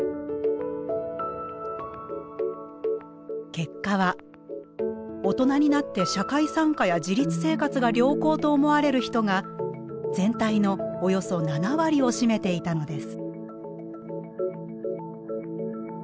結果は大人になって社会参加や自立生活が良好と思われる人が全体のおよそ７割を占めていたのです。